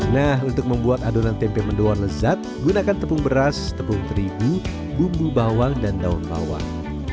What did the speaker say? nah untuk membuat adonan tempe mendoan lezat gunakan tepung beras tepung terigu bumbu bawang dan daun bawang